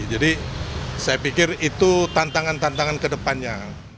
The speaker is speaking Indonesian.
jadi saya pikir itu tantangan tantangan kedepannya